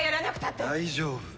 大丈夫。